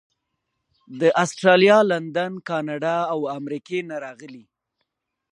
د اسټرالیا، لندن، کاناډا او امریکې نه راغلي.